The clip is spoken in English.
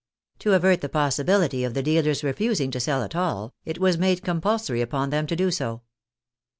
To avert the possibility of the dealers refusing to sell at all, it was made compulsory upon them to do so.